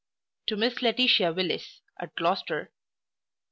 To Miss LAETITIA WILLIS, at Gloucester.